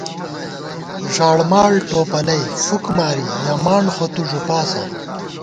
ݫاڑماڑ ٹوپَلَئ فُک ماری، یَہ مانڈ خو تُو ݫُپاسہ